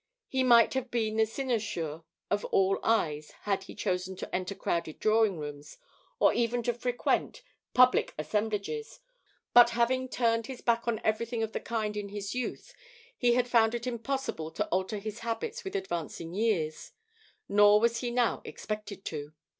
He might have been the cynosure of all eyes had he chosen to enter crowded drawing rooms, or even to frequent public assemblages, but having turned his back upon everything of the kind in his youth, he had found it impossible to alter his habits with advancing years; nor was he now expected to.